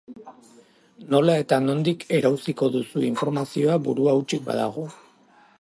Nola eta nondik erauziko duzu informazioa burua hutsik badago?